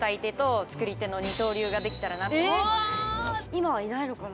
今はいないのかな？